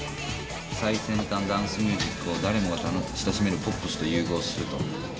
最先端ダンスミュージックを誰もが親しめるポップスと融合すると。